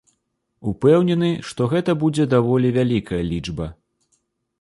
Упэўнены, што гэта будзе даволі вялікая лічба.